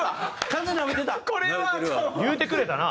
言うてくれたな？